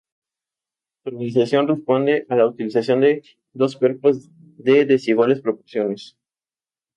Su organización responde a la utilización de dos cuerpos de desiguales proporciones.